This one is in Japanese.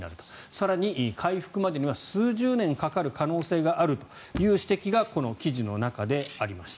更に回復までには数十年かかる可能性があるという指摘がこの記事の中でありました。